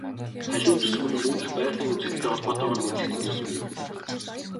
Халиун зүсэм нь мөн л байгалийн үзэгдэлтэй холбоотойгоор нэрлэгдсэн зүсэм юм.